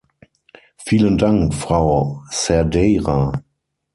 Vielen Dank, Frau Cerdeira.